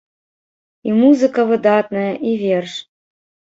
І музыка выдатная, і верш.